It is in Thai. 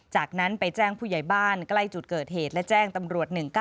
จากนั้นไปแจ้งผู้ใหญ่บ้านใกล้จุดเกิดเหตุและแจ้งตำรวจ๑๙๑